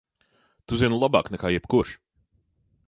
Tu zini labāk nekā jebkurš!